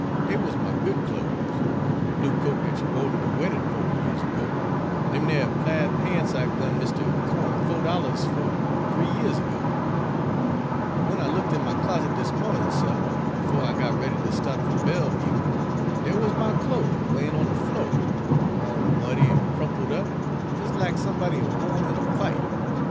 Dey wuz my good clo's, de blue coat dat you wo' ter de weddin' fo'ty years ago, an' dem dere plaid pants I gun Mistuh Cohen fo' dollars fer three years ago; an' w'en I looked in my closet dis mawnin', suh, befo' I got ready ter sta't fer Belleview, dere wuz my clo's layin' on de flo', all muddy an' crumple' up, des lack somebody had wo' 'em in a fight!